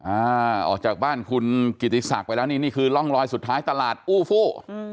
อ่าออกจากบ้านคุณกิติศักดิ์ไปแล้วนี่นี่คือร่องรอยสุดท้ายตลาดอู้ฟู้อืม